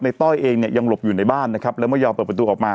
ต้อยเองเนี่ยยังหลบอยู่ในบ้านนะครับแล้วไม่ยอมเปิดประตูออกมา